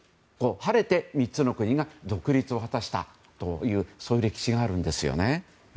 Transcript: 晴れて３つの国が独立を果たしたというそういう歴史があるんです。